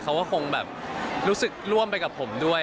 เขาก็คงแบบรู้สึกร่วมไปกับผมด้วย